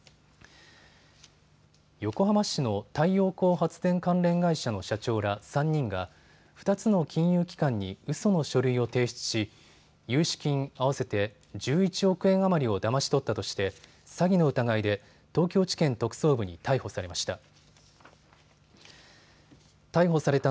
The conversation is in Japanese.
横浜市の太陽光発電関連会社の社長ら３人が２つの金融機関にうその書類を提出し融資金合わせて１１億円余りをだまし取ったとして詐欺の疑いで東京地検特捜部に逮捕されました。